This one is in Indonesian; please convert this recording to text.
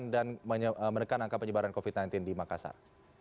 dan menekan angka penyebaran covid sembilan belas di makassar